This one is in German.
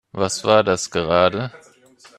Was war das gerade?